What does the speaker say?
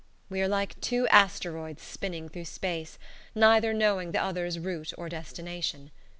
We are like two asteroids spinning through space, neither knowing the other's route or destination.